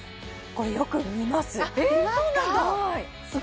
これよく見ます！